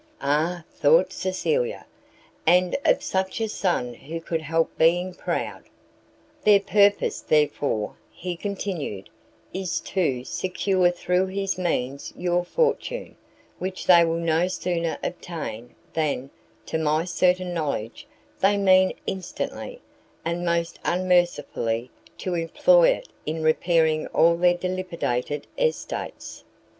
"Ah!" thought Cecilia, "and of such a son who could help being proud!" "Their purpose, therefore," he continued, "is to, secure through his means your fortune, which they will no sooner obtain, than, to my certain knowledge, they mean instantly, and most unmercifully, to employ it in repairing all their dilapidated estates."